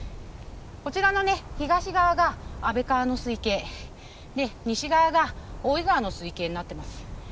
こちらの東側が安倍川の水系で西側が大井川の水系になっています。